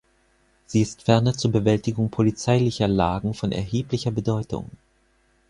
Sie ist ferner zur Bewältigung polizeilicher Lagen von erheblicher Bedeutung.